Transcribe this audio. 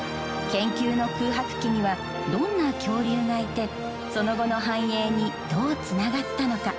研究の空白期にはどんな恐竜がいてその後の繁栄にどうつながったのか。